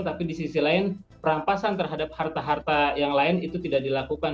tapi di sisi lain perampasan terhadap harta harta yang lain itu tidak dilakukan